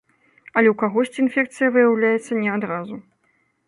Але ў кагосьці інфекцыя выяўляецца не адразу.